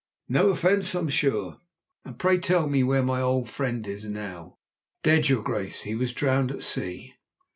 "No offence, I'm sure." "And pray tell me where my old friend is now?" "Dead, your Grace! He was drowned at sea."